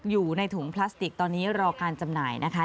อยู่ในถุงพลาสติกตอนนี้รอการจำหน่ายนะคะ